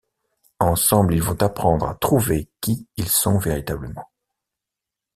Ensemble, ils vont apprendre à trouver qui ils sont véritablement.